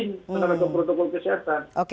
dengan protokol kesehatan